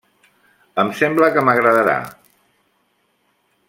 -Em sembla que m'agradarà…